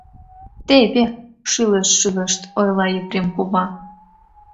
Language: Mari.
— Теве, — шӱлешт-шӱлешт ойла Епрем кува.